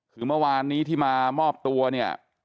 คือเมื่อวานนี้ที่มามอบตัวเนี่ย